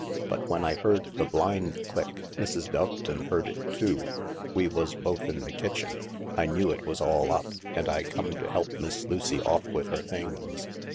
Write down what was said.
" But when I heard the blind click— Mrs. Doveton heard it too* we was both in the kitchen — I knew it was all up, and I come to help Miss Lucy off with her things.